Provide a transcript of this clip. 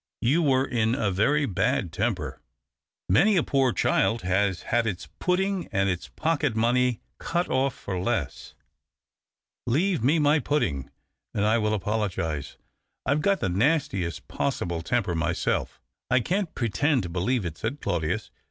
You were n a very bad temper. Many a poor child 224 THE OCTAVE OF CLAUDIUS. lias liad its pudding and its pocket money cut off for less." " Leave me my pudding, and I will apologize." " I've got the nastiest possible temper myself." " I can't pretend to believe it," said Claudius.